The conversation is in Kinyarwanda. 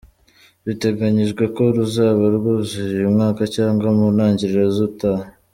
Biteganyijwe ko ruzaba rwuzuye uyu mwaka cyangwa mu ntangiriro z’utaha.